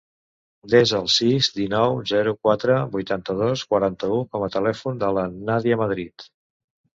Desa el sis, dinou, zero, quatre, vuitanta-dos, quaranta-u com a telèfon de la Nàdia Madrid.